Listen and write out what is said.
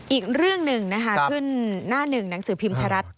อีกเรื่องหนึ่งนะคะขึ้นหน้าหนึ่งหนังสือพิมพ์ไทยรัฐ